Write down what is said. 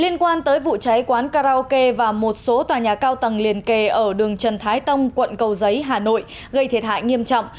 liên quan tới vụ cháy quán karaoke và một số tòa nhà cao tầng liền kề ở đường trần thái tông quận cầu giấy hà nội gây thiệt hại nghiêm trọng